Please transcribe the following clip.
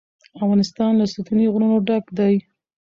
افغانستان له ستوني غرونه ډک دی.